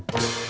mama kok gitu